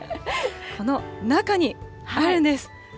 この中にあるんです。